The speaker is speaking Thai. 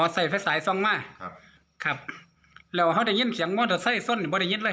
อ๋อใส่ไฟสายส่องมาครับครับแล้วเขาได้ยินเสียงว่าเธอใส่ส้นหรือไม่ได้ยินเลย